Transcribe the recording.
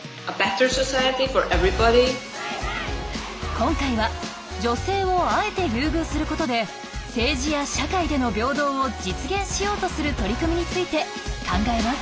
今回は女性をあえて優遇することで政治や社会での平等を実現しようとする取り組みについて考えます。